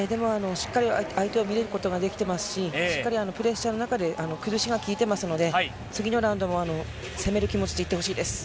しっかり相手を見ることができてますししっかりプレッシャーの中で崩しがきいていますので次のラウンドも攻める気持ちでいってほしいです。